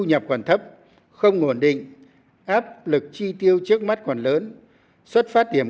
nhập còn thấp không ổn định áp lực chi tiêu trước mắt còn lớn xuất phát điểm